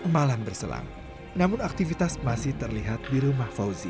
malam berselang namun aktivitas masih terlihat di rumah fauzi